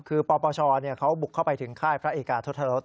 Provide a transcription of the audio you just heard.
คือปปชเขาบุกเข้าไปถึงค่ายพระเอกาทศรษ